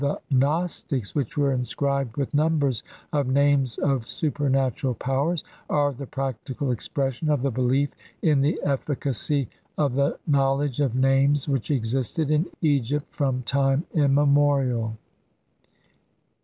the Gnostics which were inscribed with numbers of names of supernatural powers are the practical ex pression of the belief in the efficacy of the know ledge of names which existed in Egypt from time immemorial.